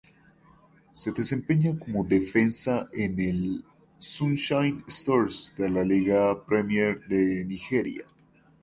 Se desempeña como defensa en el Sunshine Stars de la Liga Premier de Nigeria.